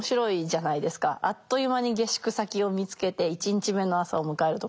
あっという間に下宿先を見つけて１日目の朝を迎えるところ。